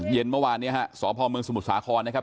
เย็นเมื่อวานเนี่ยฮะสพเมืองสมุทรสาครนะครับ